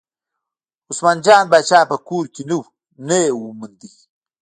عثمان جان پاچا په کور کې نه و نه یې وموند.